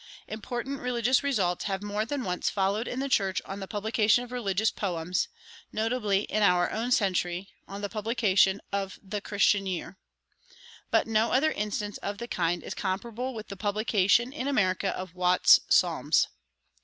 Important religious results have more than once followed in the church on the publication of religious poems notably, in our own century, on the publication of "The Christian Year." But no other instance of the kind is comparable with the publication in America of Watts's Psalms.